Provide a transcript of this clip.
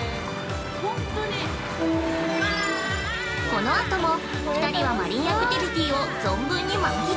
◆このあとも２人はマリンアクテビティを存分に満喫。